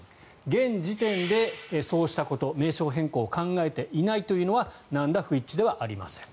現時点でそうしたこと名称変更を考えていないというのはなんら不一致ではありません。